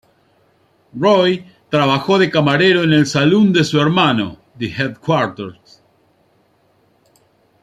Roy trabajó de camarero en el saloon de su hermano, "The Headquarters".